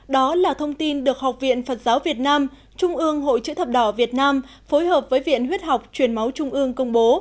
đó là thông tin được học viện phật giáo việt nam trung ương hội chữ thập đỏ việt nam phối hợp với viện huyết học truyền máu trung ương công bố